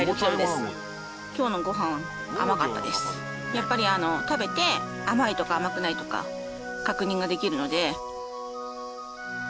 やっぱり食べて甘いとか甘くないとか確認ができるので。